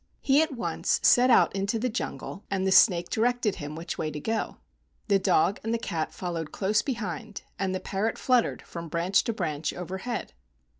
He at once set out into the jungle, and the snake directed him which way to go. The dog and cat followed close behind, and the parrot flut¬ tered from branch to branch overhead.